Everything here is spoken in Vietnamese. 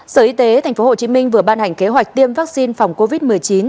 sở y tế tp hcm vừa ban hành kế hoạch tiêm vaccine phòng covid một mươi chín